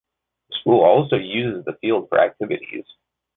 The school also uses the field for activities.